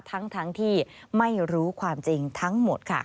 ทั้งที่ไม่รู้ความจริงทั้งหมดค่ะ